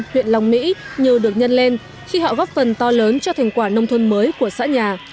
huyện long mỹ như được nhân lên khi họ góp phần to lớn cho thành quả nông thôn mới của xã nhà